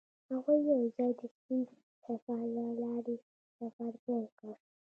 هغوی یوځای د سپین سفر له لارې سفر پیل کړ.